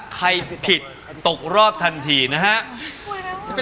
ใครผิดตกรอบทันทีนะครับ